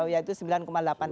yaitu sembilan delapan persen